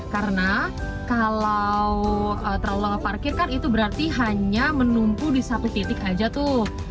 karena kalau terlalu lama parkir kan itu berarti hanya menumpu di satu titik aja tuh